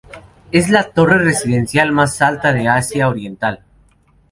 Es la torre residencial más alta de Asia Oriental.